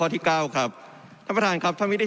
ต้องพูดก่อนหน้านี้เนี่ย